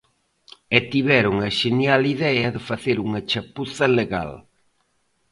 E tiveron a xenial idea de facer unha chapuza legal.